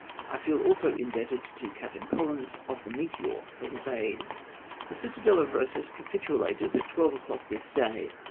I feel also indebted to Captain Collens, of the Meteor, for his aid. " The citadel of Eosas capitulated at twelve o'clock this day.